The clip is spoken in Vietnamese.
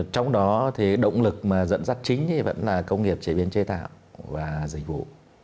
trong đó thì động lực mà dẫn dắt chính vẫn là công nghiệp chế biến chế tạo và dịch vụ